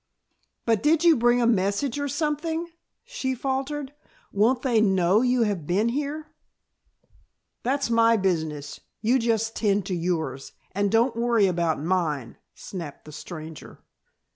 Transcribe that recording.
"But, did you bring a message or something?" she faltered. "Won't they know you have been here?" "That's my business, you just 'tend to yours and don't worry about mine," snapped the stranger.